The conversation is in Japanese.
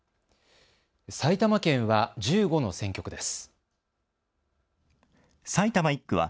埼玉県は１５の選挙区です。